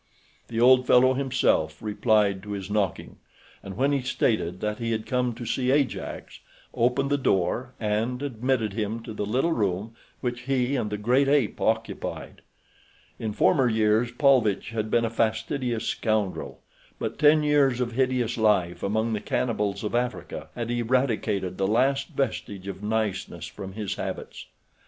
The old fellow himself replied to his knocking, and when he stated that he had come to see Ajax, opened the door and admitted him to the little room which he and the great ape occupied. In former years Paulvitch had been a fastidious scoundrel; but ten years of hideous life among the cannibals of Africa had eradicated the last vestige of niceness from his habits.